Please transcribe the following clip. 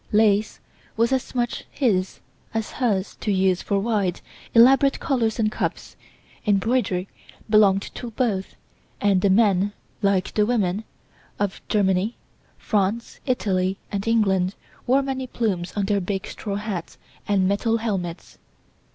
Lace was as much his as hers to use for wide, elaborate collars and cuffs. Embroidery belonged to both, and the men (like the women) of Germany, France, Italy and England wore many plumes on their big straw hats and metal helmets.